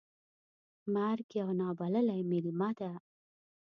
مرګ یو نا بللی میلمه ده .